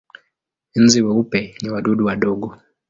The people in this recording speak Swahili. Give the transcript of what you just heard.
Nzi weupe ni wadudu wadogo.